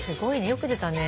よく出たね。